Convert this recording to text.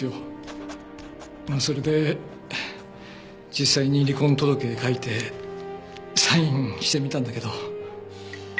それで実際に離婚届書いてサインしてみたんだけど。